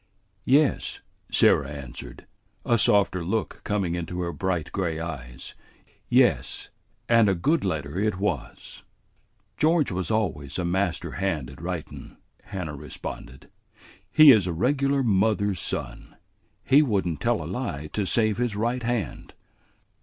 "Yes," Sarah answered, a softer look coming into her bright gray eyes. "Yes, and a good letter it was." "George was always a master hand at writin'," Hannah responded. "He is a regular mother's son. He would n't tell a lie to save his right hand."